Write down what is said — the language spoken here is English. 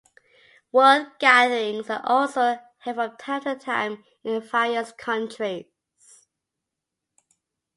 "World Gatherings" are also held from time to time in various countries.